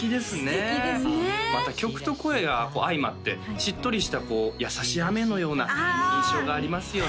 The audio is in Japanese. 素敵ですねまた曲と声が相まってしっとりした優しい雨のような印象がありますよね